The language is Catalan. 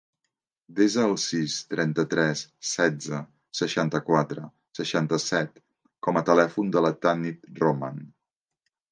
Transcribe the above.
Desa el sis, trenta-tres, setze, seixanta-quatre, seixanta-set com a telèfon de la Tanit Roman.